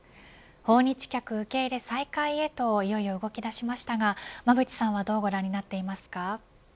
訪日客受け入れ再開へといよいよ動き出しましたが馬渕さんはどうご覧になっていますか。